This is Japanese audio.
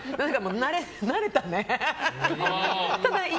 慣れたね。